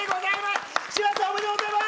柴田さんおめでとうございます！